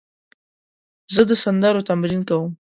زه د سندرو تمرین کوم.